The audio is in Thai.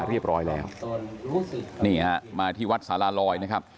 เรียบร้อยแล้วนี่ฮะมาที่วัดสารลอยนะครับ